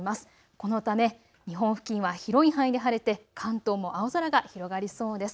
このため日本付近は広い範囲で晴れて関東も青空が広がりそうです。